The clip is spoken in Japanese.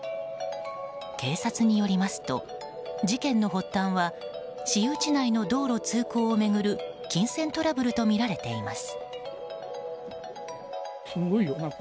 警察によりますと、事件の発端は私有地内の道路通行を巡る金銭トラブルとみられています。